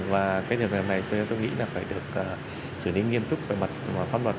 và cái điều này tôi nghĩ là phải được xử lý nghiêm túc về mặt pháp luật